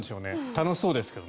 楽しそうですけど。